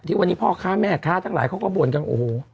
วันนี้พ่อค้าแม่ค้าทั้งหลายเขาก็บ่นกันโอ้โห